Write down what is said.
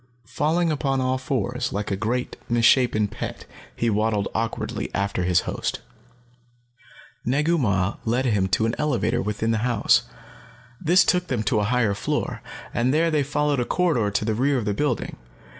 Falling upon all fours, like a great, misshapen pet, he waddled awkwardly after his host. Negu Mah led him to an elevator within the house. This took them to a higher floor, and there they followed a corridor to the rear of the building.